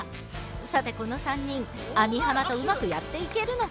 さてこの３人網浜とうまくやっていけるのか。